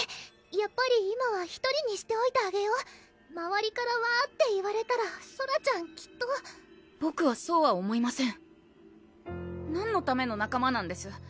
やっぱり今は１人にしておいてあげようまわりからわーって言われたらソラちゃんきっとボクはそうは思いません何のための仲間なんです？